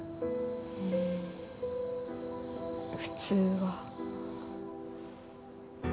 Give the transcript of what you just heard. うん普通は。